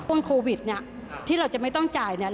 โควิดเนี่ยที่เราจะไม่ต้องจ่ายเนี่ย